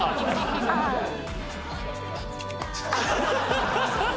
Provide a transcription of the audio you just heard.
ハハハハ！